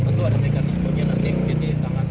tentu ada mekanisme yang nanti mungkin di tangan